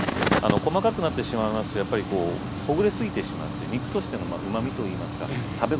細かくなってしまいますとやっぱりこうほぐれすぎてしまって肉としてのうまみといいますか食べ応えがなくなります。